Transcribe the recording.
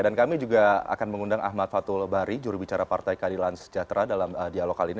dan kami juga akan mengundang ahmad fathul bari jurubicara partai kadilan sejahtera dalam dialog kali ini